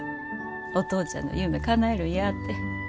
「お父ちゃんの夢かなえるんや」て。